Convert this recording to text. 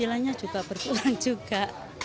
hasilannya juga berkurang juga